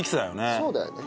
そうだよね。